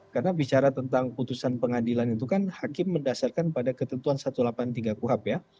karena bicara tentang putusan pengadilan itu kan hakim mendasarkan pada ketentuan satu ratus delapan puluh tiga kuhap ya